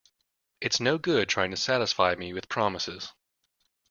It's no good trying to satisfy me with promises.